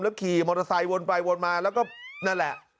ขี่มอเตอร์ไซค์วนไปวนมาแล้วก็นั่นแหละ